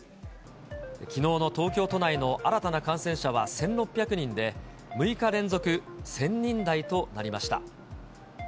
きのうの東京都内の新たな感染者は１６００人で、６日連続１０００人台となりました。